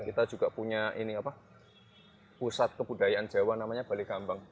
kita juga punya ini apa pusat kebudayaan jawa namanya balikambang